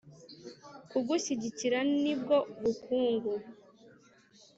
Kugushyigikira nibwo bukungu